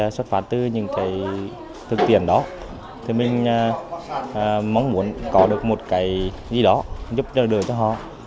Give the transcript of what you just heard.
xuất phát từ những cái thực tiễn đó thì mình mong muốn có được một cái gì đó giúp đỡ cho họ